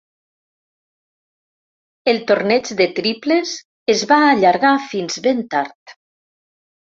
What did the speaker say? El torneig de triples es va allargar fins ben tard.